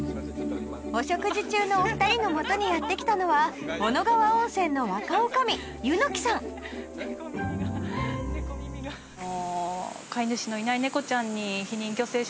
お食事中のお二人のもとにやって来たのは小野川温泉の若女将柚木さんなるほど。